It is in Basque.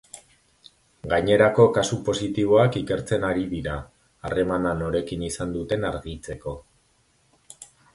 Gainerako kasu positiboak ikertzen ari dira, harremana norekin izan dute argitzeko.